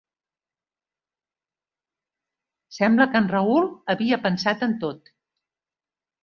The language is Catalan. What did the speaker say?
Sembla que en Rahul havia pensat en tot.